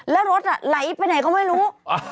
แล้วรถไหลไปไหนก็ไม่รู้